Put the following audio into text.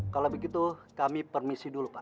kalau begitu kami permisi dulu pak